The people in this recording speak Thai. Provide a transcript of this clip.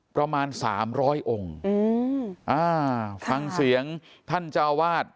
ประมาณสามร้อยองค์อืมอ่าฟังเสียงท่านเจ้าวาด